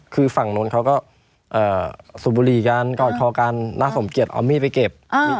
คือฝั่งนู้นเขาก็สูบบุหรี่กันกอดคอกันน้าสมเกียจเอามีดไปเก็บ